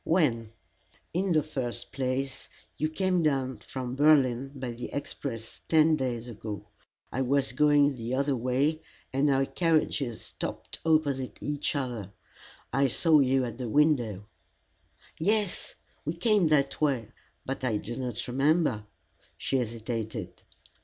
"When?" "In the first place, you came down from Berlin by the express ten days ago. I was going the other way, and our carriages stopped opposite each other. I saw you at the window." "Yes we came that way, but I do not remember " She hesitated.